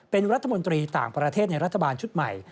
เป็นรัฐมนตรีต่างประเทศในรัฐบาลชุดใหม่